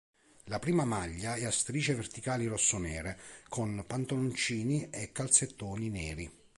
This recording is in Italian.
La prima maglia è a strisce verticali rosso-nere con pantaloncini e calzettoni neri.